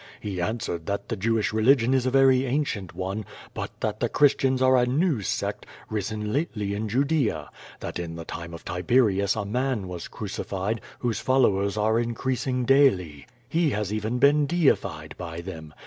He answered that the Jewish religion is a very ancient one, but that the Christians are a new sect, risen lately in Judea; that in the time of T^bermg^ man was crucified, whose fol lowers are increasingdaily^ He has even been deified by them.